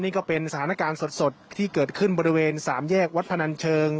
นี่ก็เป็นสถานการณ์สดที่เกิดขึ้นบริเวณสามแยกวัดพนันเชิง